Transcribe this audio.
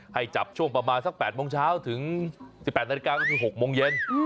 ให้จับช่วงประมาณสัก๘โมงเช้าถึง๑๘นาฬิกาก็คือ๖โมงเย็น